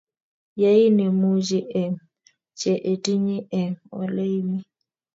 Yai nemuchi eng che itinye eng ole imi